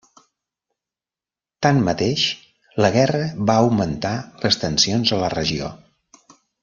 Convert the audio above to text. Tanmateix, la guerra va augmentar les tensions a la regió.